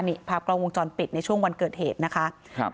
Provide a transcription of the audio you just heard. นี่ภาพกล้องวงจรปิดในช่วงวันเกิดเหตุนะคะครับ